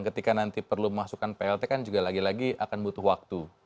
ketika nanti perlu masukkan plt kan juga lagi lagi akan butuh waktu